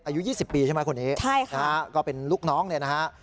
อายุ๒๐ปีใช่ไหมคนนี้ค่ะก็เป็นลูกน้องเนี่ยนะฮะใช่ค่ะ